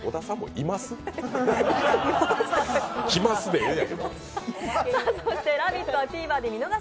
「来ます」でええやん。